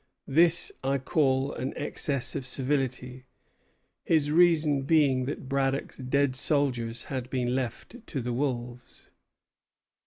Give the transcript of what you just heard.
This I call an excess of civility;" his reason being that Braddock's dead soldiers had been left to the wolves.